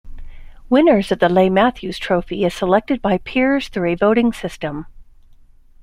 Winners of the Leigh Matthews trophy is selected by peers through a voting system.